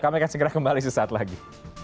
kami akan segera kembali sesaat lagi